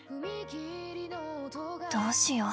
どうしよう？